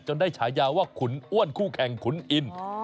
ได้ฉายาว่าขุนอ้วนคู่แข่งขุนอิน